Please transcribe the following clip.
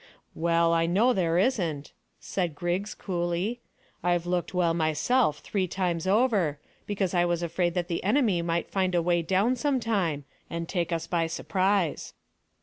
"Well, I know there isn't," said Griggs coolly. "I've looked well myself three times over, because I was afraid that the enemy might find a way down some time, and take us by surprise."